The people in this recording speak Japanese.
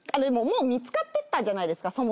もう見つかってたんじゃないですか？